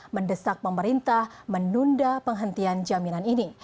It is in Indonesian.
mendesak pemerintah menunda penghentian jaminan ini